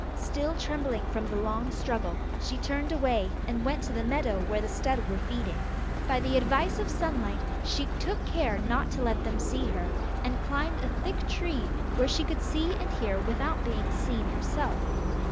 Still trembling from the long struggle, she turned away, and went to the meadow where the stud were feeding. By the advice of Sunlight, she took care not to let them see her, and climbed a thick tree, where she could see and hear without being seen herself.